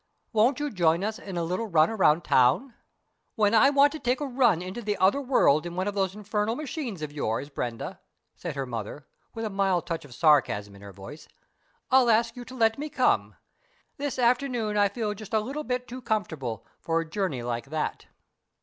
Won't you join us in a little run round town?" "When I want to take a run into the Other World in one of those infernal machines of yours, Brenda," said her mother, with a mild touch of sarcasm in her tone, "I'll ask you to let me come. This afternoon I feel just a little bit too comfortable for a journey like that."